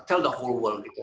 beritahu seluruh dunia